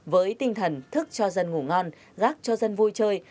với tinh thần thức cho dân ngủ ngon rác cho dân vui chơi